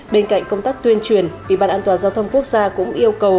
bên cạnh công tác tuyên truyền ủy ban an toàn giao thông quốc gia cũng yêu cầu